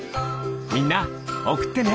みんなおくってね。